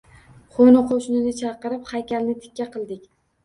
Qo‘ni-qo‘shnini chaqirib, haykalni tikka qildik.